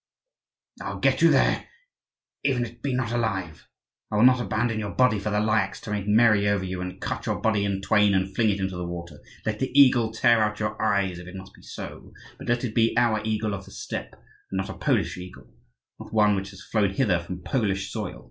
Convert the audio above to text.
"I'll get you there, even if it be not alive! I will not abandon your body for the Lyakhs to make merry over you, and cut your body in twain and fling it into the water. Let the eagle tear out your eyes if it must be so; but let it be our eagle of the steppe and not a Polish eagle, not one which has flown hither from Polish soil.